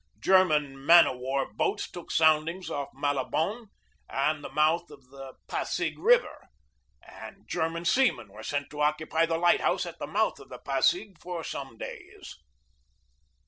German man of war boats took soundings off Malabon and the mouth of the Pasig River, and German seamen were sent to occupy the light house at the mouth of the Pasig for some days.